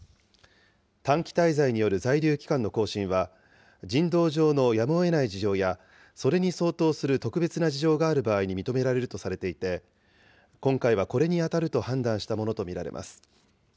短期滞在による在留期間の更新は、人道上のやむをえない事情や、それに相当する特別な事情がある場合に認められるとされていて、今回はこれに当たると判断したものと見られます。